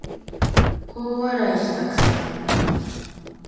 大笑いしたくさ